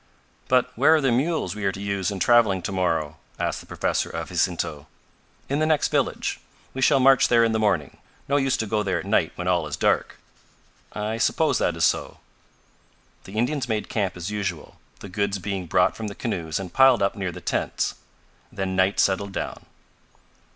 "But where are the mules we are to use in traveling to morrow?" asked the professor of Jacinto. "In the next village. We shall march there in the morning. No use to go there at night when all is dark." "I suppose that is so." The Indians made camp as usual, the goods being brought from the canoes and piled up near the tents. Then night settled down.